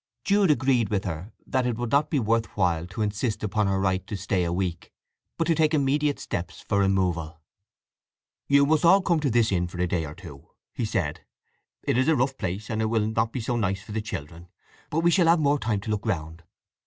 Jude agreed with her that it would not be worth while to insist upon her right to stay a week, but to take immediate steps for removal. "You must all come to this inn for a day or two," he said. "It is a rough place, and it will not be so nice for the children, but we shall have more time to look round.